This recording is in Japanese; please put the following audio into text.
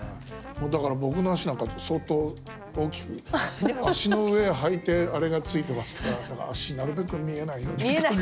だから僕の足なんか相当大きく足の上履いてあれがついてますから足なるべく見えないように隠して。